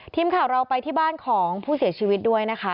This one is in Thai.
ทีมข่าวเราไปที่บ้านของผู้เสียชีวิตด้วยนะคะ